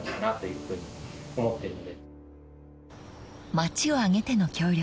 ［街を挙げての協力］